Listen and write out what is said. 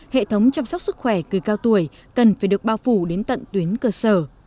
hệ thống chăm sóc sức khỏe người cao tuổi cần phải được bao phủ đến tận tuyến cơ sở